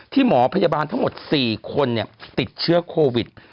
หมอพยาบาลทั้งหมด๔คนติดเชื้อโควิด